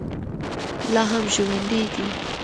لا هم ژوندی دی.